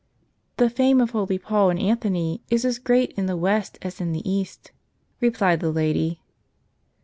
" The fame of holy Paul and Anthony is as great in the West as in the East," replied the lady.